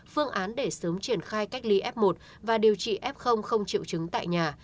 phương án để sớm triển khai cách ly f một và điều trị f không triệu chứng tại nhà